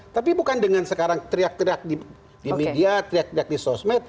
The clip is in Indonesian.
tapi bukan dengan sekarang teriak teriak di media teriak teriak di sosmed